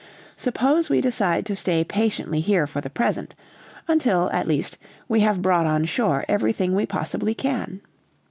Suppose we decide to stay patiently here for the present until, at least, we have brought on shore everything we possibly can?"